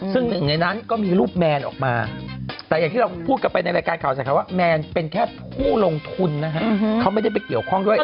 ซึ่งหนึ่งในนั้นก็มีรูปแมนออกมาแต่อย่างที่เราพูดกันไปในรายการข่าวใส่คำว่าแมนเป็นแค่ผู้ลงทุนนะฮะเขาไม่ได้ไปเกี่ยวข้องด้วย